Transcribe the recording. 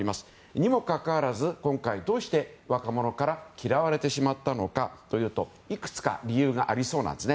にもかかわらず今回、どうして若者から嫌われてしまったのかというといくつかの理由がありそうなんです。